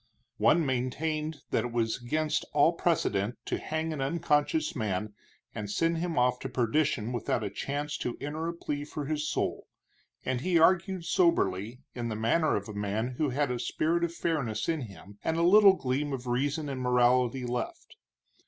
One maintained that it was against all precedent to hang an unconscious man and send him off to perdition without a chance to enter a plea for his soul, and he argued soberly, in the manner of a man who had a spirit of fairness in him, and a little gleam of reason and morality left.